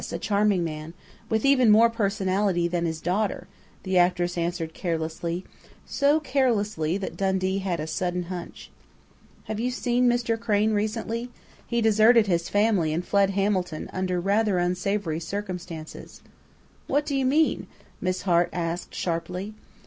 A charming man, with even more personality than his daughter," the actress answered carelessly, so carelessly that Dundee had a sudden hunch. "Have you seen Mr. Crain recently?... He deserted his family and fled Hamilton, under rather unsavory circumstances." "What do you mean?" Miss Hart asked sharply.